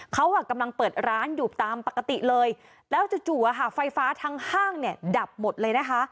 เขากำลังเปิดร้านอยู่ตามปกติเลยแล้วจู่ไฟฟ้าทั้งห้างเนี่ยดับหมดเลยนะคะ